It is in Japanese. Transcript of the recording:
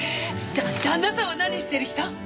じゃあ旦那さんは何してる人？